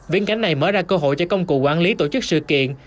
viễn cảnh này mở ra cơ hội cho công cụ quản lý tổ chức sự kiện